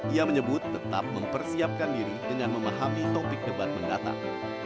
ia menyebut tetap mempersiapkan diri dengan memahami topik debat mendatang